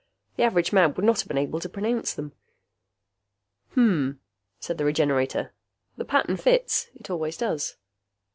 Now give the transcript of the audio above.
The average man would not have been able to pronounce them. "Hmm," said the Regenerator. "The pattern fits. It always does."